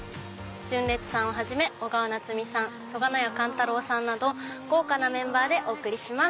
純烈さんをはじめ小川菜摘さん曽我廼家寛太郎さんなど豪華なメンバーでお送りします。